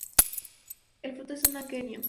El fruto es un aquenio.